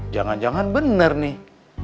jangan jangan bener nih